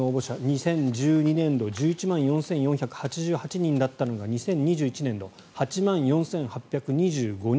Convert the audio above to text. ２０１２年度１１万４４８８人だったのが２０２１年度は８万４８２５人。